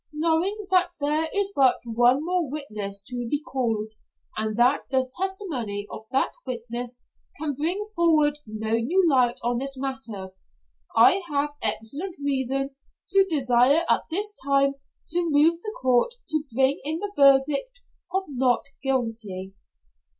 Knowing that there is but one more witness to be called, and that the testimony of that witness can bring forward no new light on this matter, I have excellent reason to desire at this time to move the Court to bring in the verdict of not guilty."